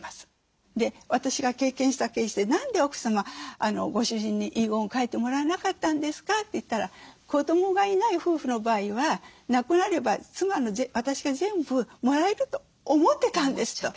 私が経験したケースで「何で奥様ご主人に遺言書いてもらわなかったんですか？」といったら「子どもがいない夫婦の場合は亡くなれば妻の私が全部もらえると思ってたんです」と。